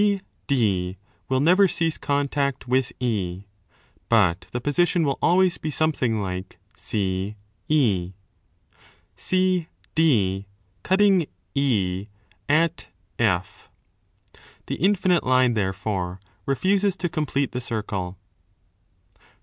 CD will never cease contact with £, but the position will always be something like CZ, CD cutting 5 at 1.3 The infinite line, therefore, refuses to complete the circle.